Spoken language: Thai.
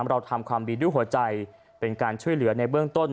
เราทำความดีด้วยหัวใจเป็นการช่วยเหลือในเบื้องต้น